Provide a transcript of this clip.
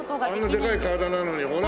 あんなでかい体なのにほら。